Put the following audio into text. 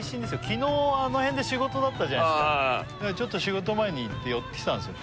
昨日あの辺で仕事だったじゃないですかだからちょっと仕事前に行って寄ってきたんですよ